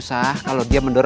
saya mau cowok mau mandi mie